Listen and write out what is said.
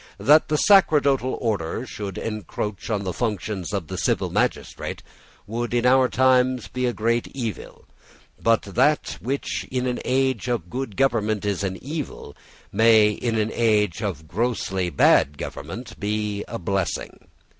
That the sacerdotal order should encroach on the functions of the civil magistrate would, in our time, be a great evil. But that which in an age of good government is an evil may, in an ago of grossly bad government, be a blessing.